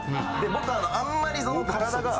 僕あんまりその体が。